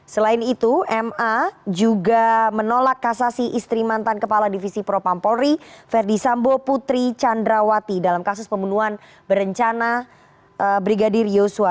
selain itu ma juga menolak kasasi istri mantan kepala divisi propam polri verdi sambo putri candrawati dalam kasus pembunuhan berencana brigadir yosua